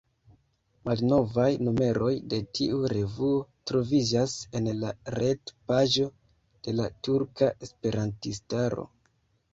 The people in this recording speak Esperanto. Malnovaj numeroj de tiu revuo troviĝas en la ret-paĝo de la turka esperantistaro.